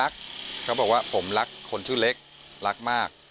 เขาบอกว่าผมรักคนชื่อเล็กรักมาก